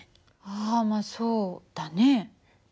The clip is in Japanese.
あまあそうだね。